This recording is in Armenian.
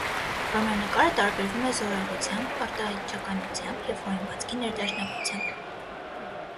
Որմնանկարը տարբերվում է զորեղությամբ, արտահայտչականությամբ և հորինվածքի ներդաշնակությամբ։